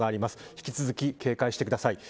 引き続き警戒してください。